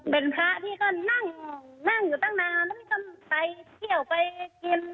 เป็นพระพี่ก็นั่งอยู่ตั้งนาน